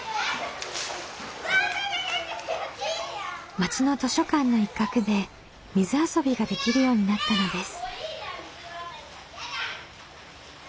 町の図書館の一角で水遊びができるようになったのです。